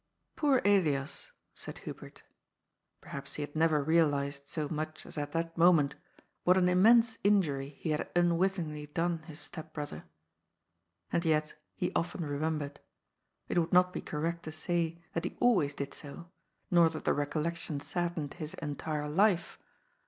« Poor Elias !" said Hubert. Perhaps he had neyer realized so mnch as at that mo ment what an immense injury he had unwittingly done his stepbrother. And yet he often remembered. It would not be correct to say that he always did so, nor that the recollection sad dened his entire life.